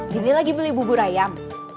gini lagi beli bubur ayam